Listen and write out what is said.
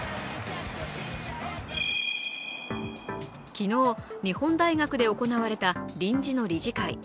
昨日、日本大学で行われた臨時の理事会。